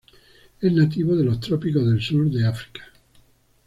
Es nativo de los trópicos del sur de África.